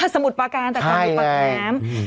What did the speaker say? สมุดปากการแต่กำลังอยู่ปากน้ำ